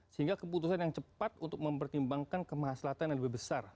sehingga keputusan yang cepat untuk mempertimbangkan kemahaslahan yang lebih besar